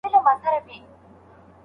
د هغې په خاموشۍ کې زرګونه پوښتنې پټې وې.